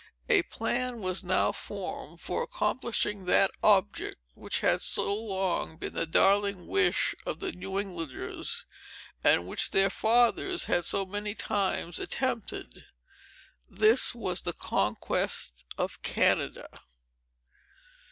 A plan was now formed for accomplishing that object, which had so long been the darling wish of the New Englanders, and which their fathers had so many times attempted. This was the conquest of Canada.